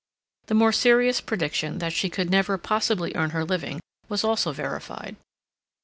The more serious prediction that she could never possibly earn her living was also verified.